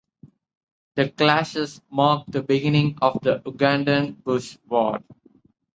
The clashes mark the beginning of the Ugandan Bush War.